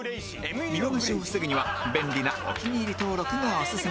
見逃しを防ぐには便利なお気に入り登録がオススメです